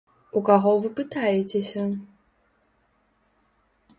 У каго вы пытаецеся?